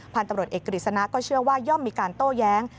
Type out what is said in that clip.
พันธุ์ตำรวจเอกกฤษณะก็เชื่อว่าย่อมมีการโต้แย้ง